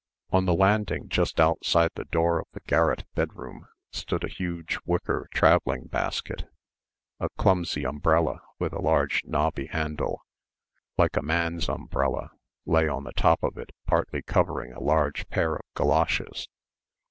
On the landing just outside the door of the garret bedroom stood a huge wicker travelling basket; a clumsy umbrella with a large knobby handle, like a man's umbrella, lay on the top of it partly covering a large pair of goloshes.